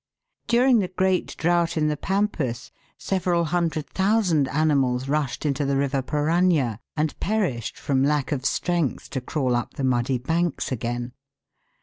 During the great drought in the Pampas several hundred thousand animals rushed into the river Parana, and perished from lack of strength to crawl up the muddy banks again.